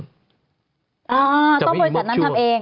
ต้องบริษัทนั้นทำเอง